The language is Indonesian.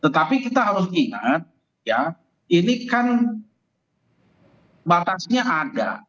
tetapi kita harus ingat ya ini kan batasnya ada